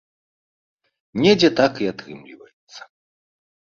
Недзе так і атрымліваецца.